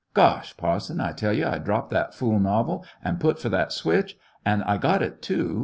Gk)sh, parson ! I tell you I dropped that fool novel an' put for that switch ; an' I got it, too.